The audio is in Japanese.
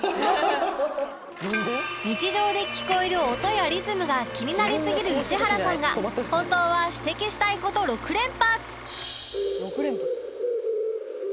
日常で聞こえる音やリズムが気になりすぎる市原さんが本当は指摘したい事６連発